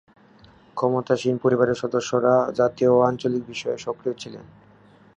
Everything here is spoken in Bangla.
ক্ষমতাসীন পরিবারের সদস্যরা জাতীয় ও আঞ্চলিক বিষয়ে সক্রিয় ছিলেন।